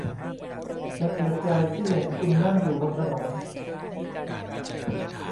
ฉันเสียใจที่เห็นคุณนั่งอยู่บนถนน